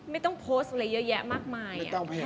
ไม่ต้องโพสต์อะไรเยอะแยะมากมาย